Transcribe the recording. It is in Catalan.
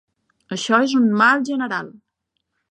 Això és un mal general.